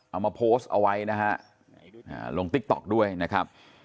เอามาโพสต์เอาไว้นะฮะลงติ๊กต๊อกด้วยนะครับ